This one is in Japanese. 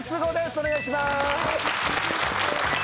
お願いします。